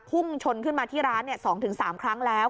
พุ่งชนขึ้นมาที่ร้าน๒๓ครั้งแล้ว